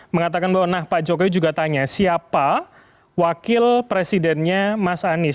mengatakan bahwa nah pak jokowi juga tanya siapa wakil presidennya mas anies